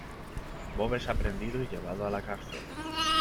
Bob es aprehendido y llevado a la cárcel.